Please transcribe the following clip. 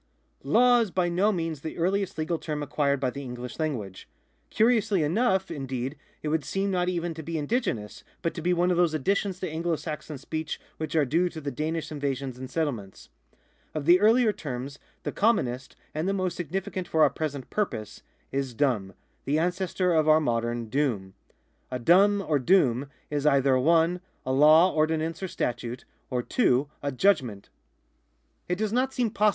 — Law is by no means the earliest legal term acquired by the English language. Curiously enough, indeed, it would seem not even to be indigenous, but to be one of those additions to Anglo Saxon speech which are due to the Danish invasions and settlements. Of the earlier terms the commonest, and the most significant for our present purpose, is dom, the ancestor of our modern doom.* A dom or doovi is either (1) aUaw, ordinance, or statute, or (2) a judgment. It does not seem possible to 1 See Ducange, sub voc.